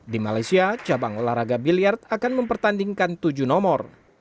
di malaysia cabang olahraga biliard akan mempertandingkan tujuh nomor